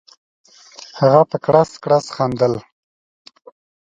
هغه په کړس کړس خندل.